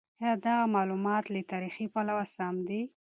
ایا دغه مالومات له تاریخي پلوه سم دي؟